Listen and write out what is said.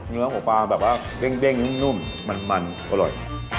เนื้อหัวปลาแบบว่าเบนเบ่งนุ่มบรรมันอร่อย